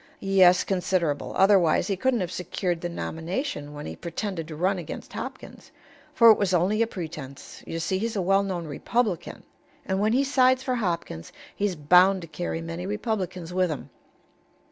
"Yes, considerable. Otherwise he couldn't have secured the nomination when he pretended to run against Hopkins for it was only a pretense. You see, he's a well known Republican, and when he sides for Hopkins he's bound to carry many Republicans with him."